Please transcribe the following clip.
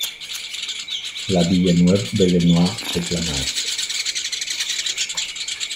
La Villeneuve-Bellenoye-et-la-Maize